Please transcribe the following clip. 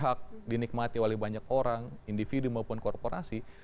hak dinikmati oleh banyak orang individu maupun korporasi